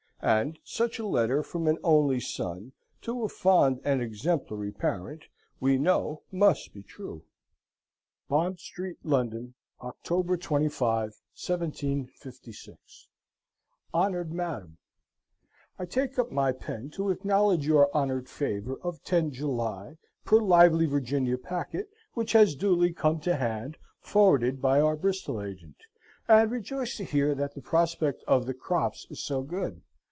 And such a letter from an only son to a fond and exemplary parent, we know must be true: "BOND STREET, LONDON, October 25, 1756. "HONORD MADAM I take up my pen to acknowledge your honored favor of 10 July per Lively Virginia packet, which has duly come to hand, forwarded by our Bristol agent, and rejoice to hear that the prospect of the crops is so good.